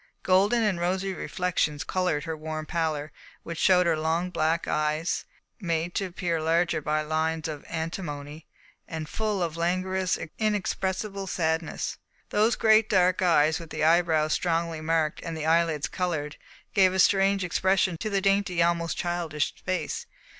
Golden and rosy reflections coloured her warm pallor, in which showed her long black eyes, made to appear larger by lines of antimony, and full of a languorous, inexpressible sadness. Those great dark eyes, with the eyebrows strongly marked and the eyelids coloured, gave a strange expression to the dainty, almost childish face.